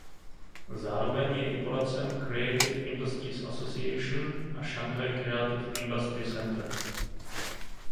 Zároveň je i poradcem Creative Industries Association a Shanghai Creative Industry Centre.